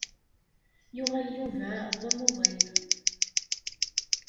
Yuɣal Yuba d amuḍin.